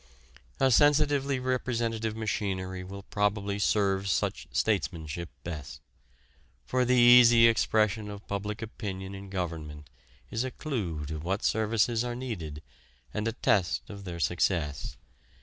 A sensitively representative machinery will probably serve such statesmanship best. For the easy expression of public opinion in government is a clue to what services are needed and a test of their success.